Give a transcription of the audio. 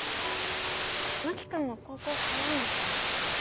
真木君も高校通うんですね。